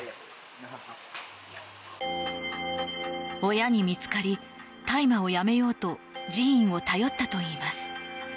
親に見つかり大麻をやめようと寺院を頼ったといいます。